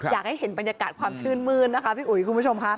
เห็นบรรยากาศความชื่นมืดนะคะพี่อุ๋ยคุณผู้ชมค่ะ